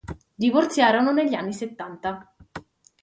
Divorziarono negli anni Settanta.